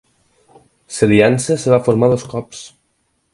L"aliança es va formar dos cops.